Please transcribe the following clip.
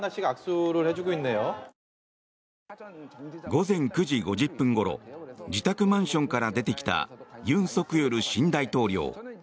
午前９時５０分ごろ自宅マンションから出てきた尹錫悦新大統領。